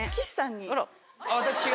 私が？